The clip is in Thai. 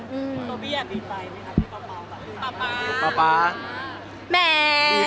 โตบี้อยากดีใจไหมครับที่ป่าวแบบนี้